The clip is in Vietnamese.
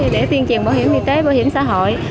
để tiên triền bảo hiểm y tế bảo hiểm xã hội